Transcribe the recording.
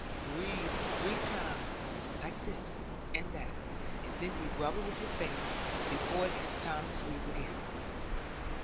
Breathe three times, like that, and that; and then you rub it with your fingers, before it has time to freeze again.'